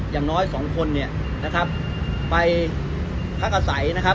อย่างน้อยสองคนเนี่ยนะครับไปพักอาศัยนะครับ